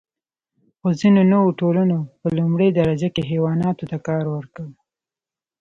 خو ځینو نوو ټولنو په لومړۍ درجه کې حیواناتو ته کار ورکړ.